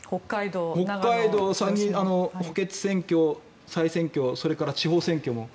北海道補欠選挙、再選挙それから地方選挙も。